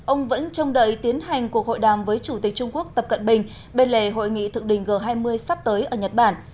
ông vẫn trông đợi tiến hành cuộc hội đàm với chủ tịch trung quốc tập cận bình bên lề hội nghị thượng đỉnh g hai mươi sắp tới ở nhật bản